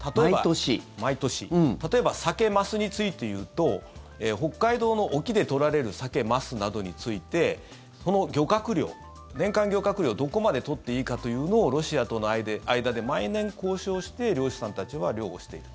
例えばサケ・マスについていうと北海道の沖で取られるサケ・マスなどについてその漁獲量、年間漁獲量どこまで取っていいかというのをロシアとの間で、毎年交渉して漁師さんたちは漁をしている。